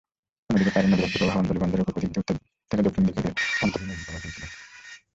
অন্যদিকে, পায়রা নদীর একটি প্রবাহ আমতলী বন্দরের পূর্ব দিক দিয়ে উত্তর থেকে দক্ষিণ দিকে আমতলী নদী প্রবাহিত হয়েছিল।